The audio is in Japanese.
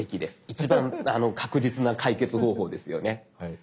一番確実な解決方法ですよね。